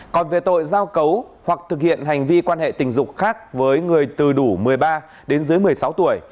còn về tội giao cấu hoặc thực hiện hành vi quan hệ tình dục khác với người từ đủ một mươi ba đến dưới một mươi sáu tuổi